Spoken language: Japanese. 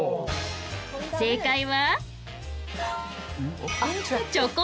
正解は。